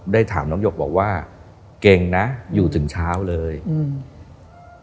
ได้ถามน้องหยกบอกว่าเก่งนะอยู่ถึงเช้าเลยอืม